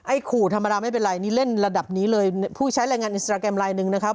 ขู่ธรรมดาไม่เป็นไรนี่เล่นระดับนี้เลยผู้ใช้แรงงานอินสตราแกรมไลน์หนึ่งนะครับ